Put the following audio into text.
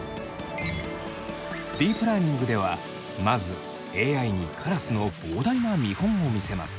ディープラーニングではまずＡＩにカラスの膨大な見本を見せます。